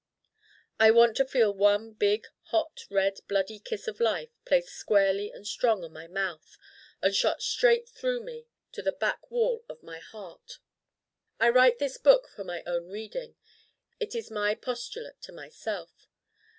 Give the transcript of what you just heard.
I want to feel one big hot red bloody Kiss of Life placed square and strong on my mouth and shot straight into me to the back wall of my Heart. I write this book for my own reading. It is my postulate to myself.